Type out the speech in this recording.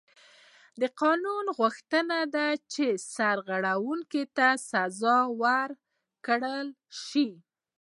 د قانون غوښتنه دا ده چې سرغړونکي ته سزا ورکړل شي.